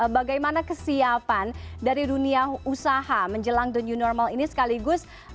bagaimana kesiapan dari dunia usaha menjelang the new normal ini sekaligus